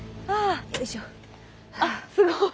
あっすごい！